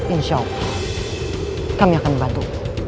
insya allah kami akan membantu